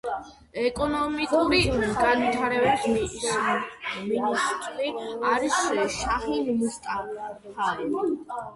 ეკონომიკური განვითარების მინისტრი არის შაჰინ მუსტაფაევი.